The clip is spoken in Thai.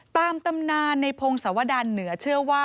ตำนานในพงศวดารเหนือเชื่อว่า